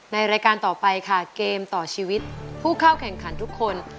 รายการต่อไปค่ะเกมต่อชีวิตผู้เข้าแข่งขันทุกคน